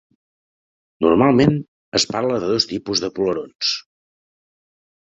Normalment es parla de dos tipus de polarons.